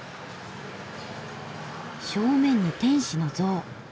正面に天使の像。